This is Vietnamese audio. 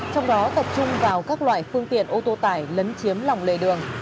trong đó tập trung vào các loại phương tiện ô tô tải lấn chiếm lòng lề đường